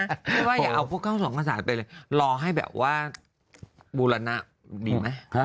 อย่าเอาพวกเขาสองภาษาไปเลยรอให้แบบว่าบูรณะดีไหม